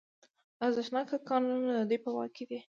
ارزښتناک کانونه د دوی په واک کې دي